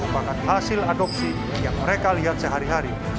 bahkan hasil adopsi yang mereka lihat sehari hari